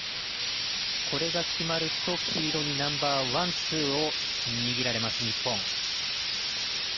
これが決まると、黄色にナンバーワン、ツーを握られます日本。